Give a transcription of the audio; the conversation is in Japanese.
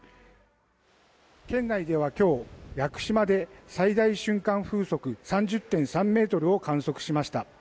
県内では今日、屋久島で最大瞬間風速３０．３メートルを観測しました。